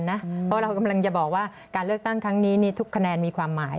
เพราะเรากำลังจะบอกว่าการเลือกตั้งครั้งนี้ทุกคะแนนมีความหมาย